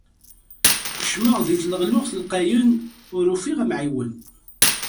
Kecmeɣ di tleɣluɣt lqayen, ur ufiɣ amɛiwen.